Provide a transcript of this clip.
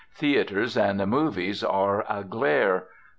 Theatres and 'movies' are aglare.